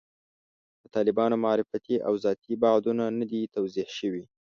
د طالبانو معرفتي او ذاتي بعدونه نه دي توضیح شوي.